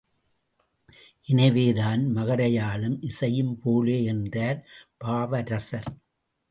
எனவேதான், மகர யாழும் இசையும் போலே என்றார் பாவரசர்.